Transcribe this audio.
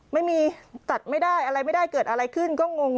ไม่มีตัดไม่ได้อะไรไม่ได้เกิดอะไรขึ้นก็งง